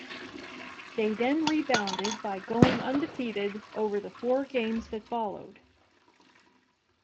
They then rebounded by going undefeated over the four games that followed.